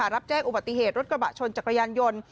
รับแจ้งอุบัติเหตุรถกระบะชนจักรยานยนต์